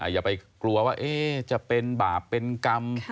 อย่าไปกลัวว่าจะเป็นบาปเป็นกรรม